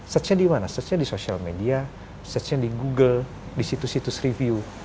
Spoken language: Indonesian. searchnya di mana searchnya di social media searchnya di google di situs situs review